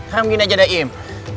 haram gini aja daim